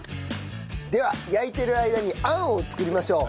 では焼いてる間にあんを作りましょう。